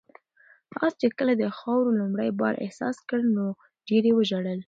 آس چې کله د خاورو لومړی بار احساس کړ نو ډېر یې وژړل.